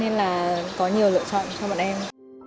nên là có nhiều lựa chọn cho bọn em